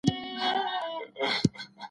که ته پوه سې نو خرافات به پرېږدې.